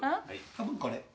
多分これ。